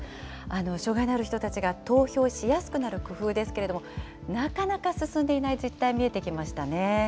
障害のある人たちが投票しやすくなる工夫ですけれども、なかなか進んでいない実態、見えてきまし